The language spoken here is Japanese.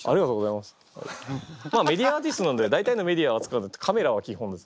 まあメディアアーティストなんで大体のメディアをあつかうカメラは基本です。